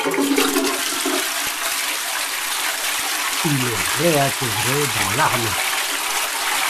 Il est réintégré dans l'armée.